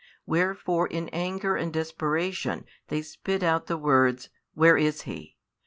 Wherefore in anger and desperation they spit out the words, Where is He?